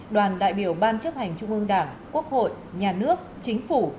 đoàn đại biểu ban chấp hành trung ương đảng quốc hội nhà nước chính phủ